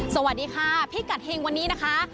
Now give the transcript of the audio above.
สวัสดีค่ะพิกัดเฮงวันนี้นะคะ